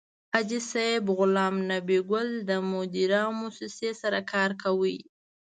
حاجي صیب غلام نبي ګل د مدیرا موسسې سره کار کاوه.